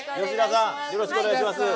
よろしくお願いします